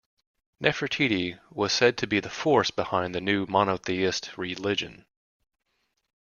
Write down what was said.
Nefertiti was said to be the force behind the new monotheist religion.